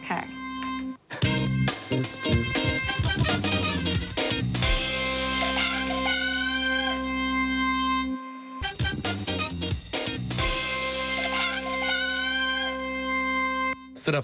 ค่ะ